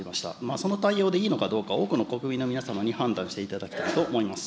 その対応でいいのかどうか、多くの国民の皆様に判断していただきたいと思います。